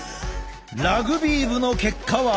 ラグビー部の結果は。